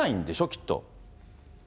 きっと。